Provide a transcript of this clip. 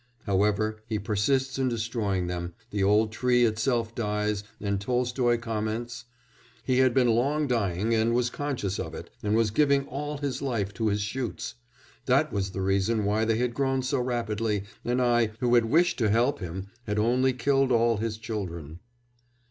However he persists in destroying them; the old tree itself dies and Tolstoy comments: "He had been long dying, and was conscious of it, and was giving all his life to his shoots. That was the reason why they had grown so rapidly, and I, who had wished to help him, had only killed all his children."